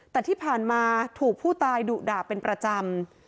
แต่ที่ผ่านมาถูกผู้ตายดุด่าเป็นประจำ